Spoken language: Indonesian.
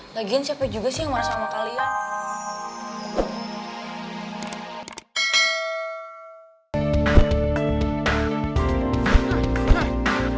lagian siapa juga sih yang marah sama kalian